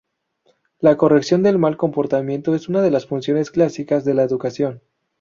La corrección del mal comportamiento es una de las funciones clásicas de la educación.